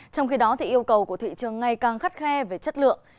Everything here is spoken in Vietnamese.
trong khi đó yêu cầu của thị trường ngày càng khắt khe về chất lượng